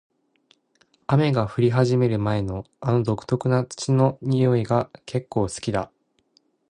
雨が降り始める前の、あの独特な土の匂いが結構好きだ。